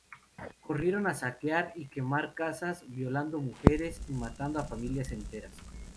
Corrieron a saquear y quemar casas, violando mujeres y matando a familias enteras.